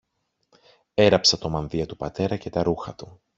Έραψα το μανδύα του πατέρα και τα ρούχα του